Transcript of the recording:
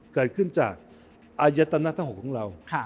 เกิดขึ้นจากอายัตนทหกของเรา